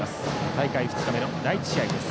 大会２日目の第１試合です。